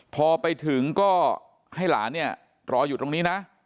พอไปถึงก็ให้หลานเนี่ยรออยู่ตรงนี้นะ